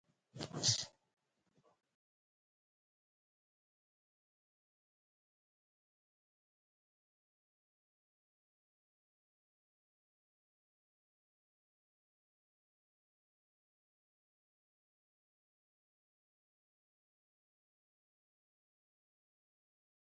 بیشکه د نامي زامن دیته وایي